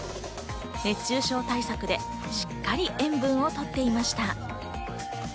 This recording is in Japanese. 熱中症対策でしっかり塩分を取っていました。